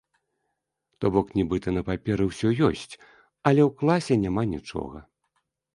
То бок, нібыта на паперы ўсё ёсць, але ў класе няма нічога.